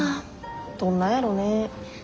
どんなやろね。